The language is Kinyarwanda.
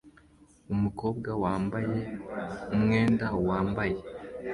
Umukobwa wambaye umwenda wambaye